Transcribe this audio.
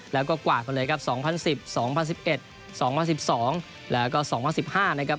แล้วก็กวาดกันเลยครับ๒๐๑๐๒๐๑๑๒๐๑๒แล้วก็๒๐๑๕นะครับ